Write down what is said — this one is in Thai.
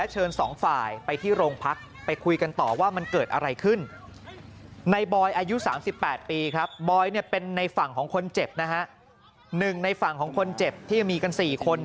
หนึ่งในฝั่งของคนเจ็บที่ยังมีกัน๔คน